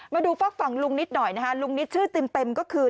มาดูฟอกฝั่งลุงนิตหน่อยลุงนิตชื่อสิ่มเต็มก็คือ